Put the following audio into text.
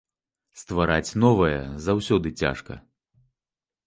Ствараць новае заўсёды цяжка.